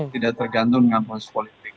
tidak tergantung dengan proses politik